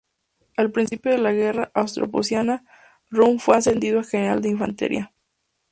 Al principio de la guerra austro-prusiana, Roon fue ascendido a general de infantería.